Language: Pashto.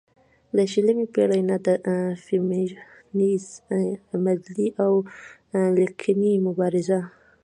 له شلمې پېړۍ نه د فيمينزم عملي او ليکنۍ مبارزه